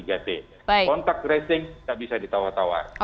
kontak racing tidak bisa ditawar tawar